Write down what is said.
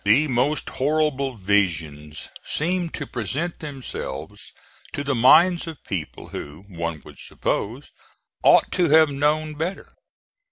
The most horrible visions seemed to present themselves to the minds of people who, one would suppose, ought to have known better.